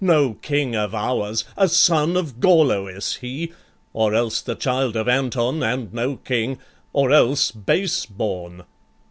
No king of ours! A son of Gorloïs he, Or else the child of Anton and no king, Or else base born.'